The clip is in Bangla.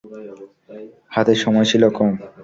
হাতে সময় ছিল কম।